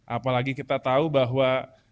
apalagi kita tahu bahwa